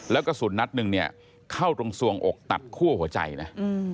แล้วกระสุนนัดหนึ่งเนี่ยเข้าตรงส่วงอกตัดคั่วหัวใจนะ